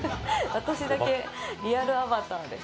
私だけリアルアバターではい